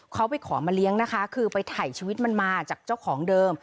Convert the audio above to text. เขาไปขอมาเลี้ยงนะคะคือไปถ่ายชีวิตมันมาจากเจ้าของเดิม